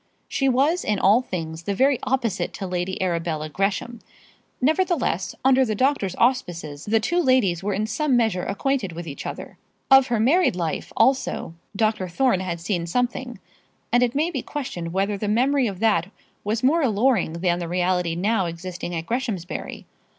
She was in all things the very opposite to Lady Arabella Gresham; nevertheless, under the doctor's auspices, the two ladies were in some measure acquainted with each other. Of her married life, also, Dr. Thorne had seen something, and it may be questioned whether the memory of that was more alluring than the reality now existing at Greshamsbury.